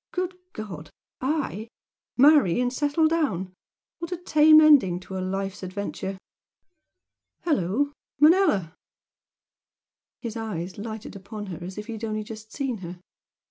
Good God! I? Marry and settle down? What a tame ending to a life's adventure! Hello, Manella!" His eyes lighted upon her as if he had only just seen her.